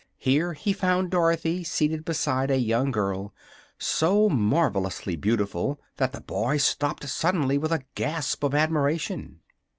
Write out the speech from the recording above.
Here he found Dorothy seated beside a young girl so marvelously beautiful that the boy stopped suddenly with a gasp of admiration.